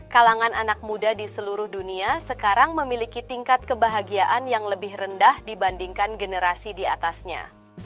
kalangan anak muda di seluruh dunia sekarang memiliki tingkat kebahagiaan yang lebih rendah dibandingkan generasi diatasnya